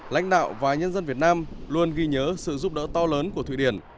lãnh đạo và nhân dân việt nam luôn ghi nhớ sự giúp đỡ to lớn của thụy điển